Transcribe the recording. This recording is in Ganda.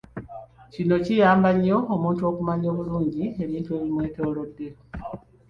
Kino kiyamba nnyo omuntu okumanya obulungi ebintu ebimwetoloodde.